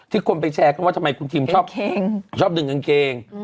ที่คนไปแชร์ก็ว่าทำไมคุณทิมชอบดึงกางเกง